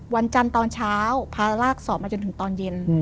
วันจันทร์ตอนเช้าพารากสอบมาจนถึงตอนเย็น